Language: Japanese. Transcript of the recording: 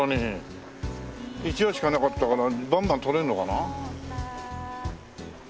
１羽しかいなかったからバンバンとれるのかな？